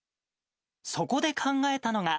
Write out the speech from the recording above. そこで考えたのが。